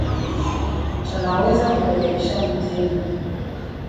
Tunaweza kurekebisha mtindo